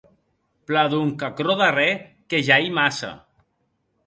Plan, donc, aquerò darrèr que ja ei massa.